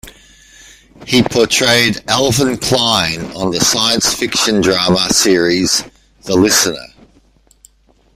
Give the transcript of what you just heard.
He portrayed Alvin Klein on the science fiction drama series "The Listener".